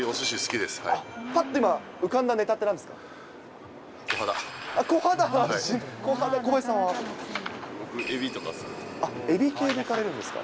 ぱって今、浮かんだネタってなんですか？